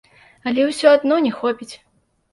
Але ўсё адно не хопіць!